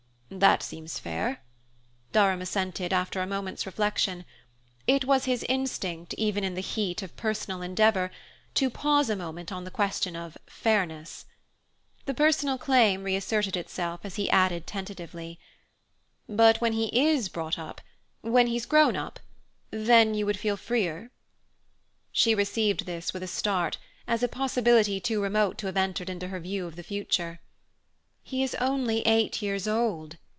"That seems fair," Durham assented after a moment's reflection: it was his instinct, even in the heat of personal endeavour, to pause a moment on the question of "fairness." The personal claim reasserted itself as he added tentatively: "But when he is brought up when he's grown up: then you would feel freer?" She received this with a start, as a possibility too remote to have entered into her view of the future. "He is only eight years old!"